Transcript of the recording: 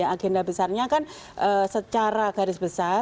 agenda besarnya kan secara garis besar